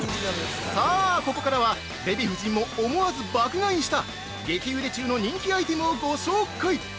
◆さあ、ここからはデヴィ夫人も思わず爆買いした激売れ中の人気アイテムをご紹介。